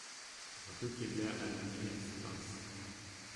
Rue Kléber-Albouy à Stains